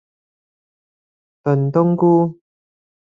燉冬菇